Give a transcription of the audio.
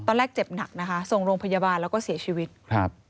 แรกเจ็บหนักนะคะส่งโรงพยาบาลแล้วก็เสียชีวิตครับ